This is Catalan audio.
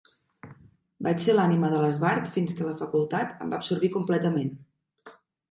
Vaig ser l'ànima de l'esbart fins que la facultat em va absorbir completament.